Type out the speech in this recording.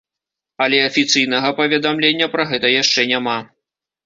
Але афіцыйнага паведамлення пра гэта яшчэ няма.